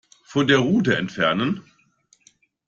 Von der Route entfernen.